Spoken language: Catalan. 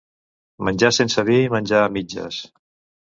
Menjar sense vi, menjar a mitges.